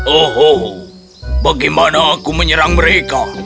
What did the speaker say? oh bagaimana aku menyerang mereka